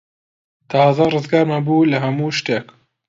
تازە ڕزگارمان بوو لە هەموو شتێک.